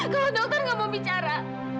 kalau dokter gak mau bicara